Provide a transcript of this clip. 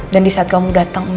dan di saat kamu datang mbak pergi